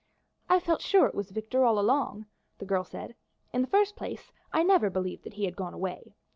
"I felt sure it was Victor all along," the girl said. "In the first place, I never believed that he had gone away.